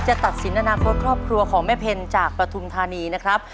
จะตัดสินอนาคตครอบครัวของแม่เพ็ญจากปฐุมธานีนะครับ